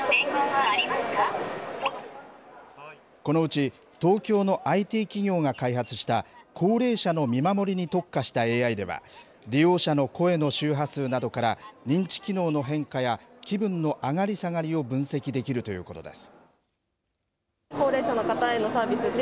このうち、東京のＩＴ企業が開発した、高齢者の見守りに特化したＡＩでは、利用者の声の周波数などから、認知機能の変化や、気分の上がり下がりを分析できるということです。